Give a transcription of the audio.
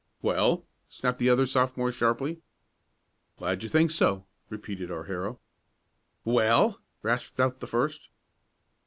"Well?" snapped the other Sophomore sharply. "Glad you think so," repeated our hero. "Well?" rasped out the first.